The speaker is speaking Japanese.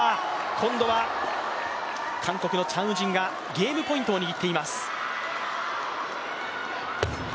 今度は韓国のチャン・ウジンがゲームポイントを握っています。